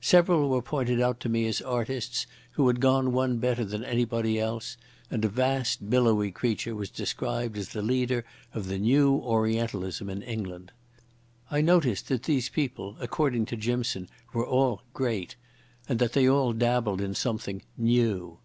Several were pointed out to me as artists who had gone one better than anybody else, and a vast billowy creature was described as the leader of the new Orientalism in England. I noticed that these people, according to Jimson, were all "great", and that they all dabbled in something "new".